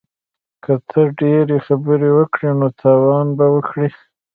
که ته ډیرې خبرې وکړې نو تاوان به وکړې